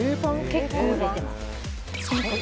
結構売れてます。